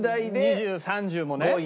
２０３０もね。